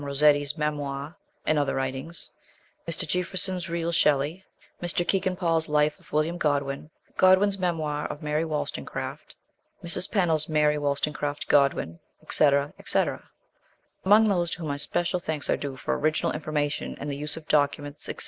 Rossetti's Memoir and other writings, Mr. Jeaffreson's Real Shelley, Mr. Kegan Paul's Life of William Godwin, Godwin's Memoir of Mary Wollstonecraft, Mrs. Pennell's Mary Wolktone craft Godwin, &c. &c. Among those to whom my special thanks are due for original information and the use of documents, &c.